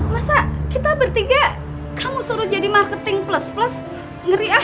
masa kita bertiga kamu suruh jadi marketing plus plus ngeri aja